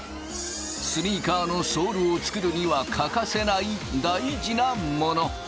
スニーカーのソールを作るには欠かせない大事なもの。